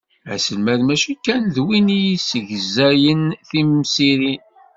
Aselmad mačči kan d win i d-yessegzayen timsirin.